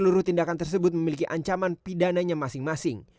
seluruh tindakan tersebut memiliki ancaman pidananya masing masing